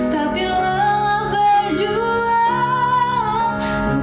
tapi lelah berjuang